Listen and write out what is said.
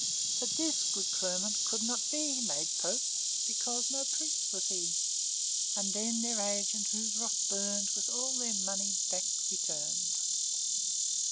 But this good Clermont could not be Made pope, because no priest was he; And then their agent, whose wrath burned, With all their money back returned."